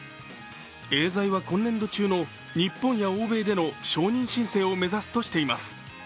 エーザイは今年度中の日本や欧米での承認申請を目指すとしています。